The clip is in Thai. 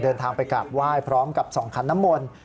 เดินทางไปกราบไหว้พร้อมกับส่องขันน้ำมนต์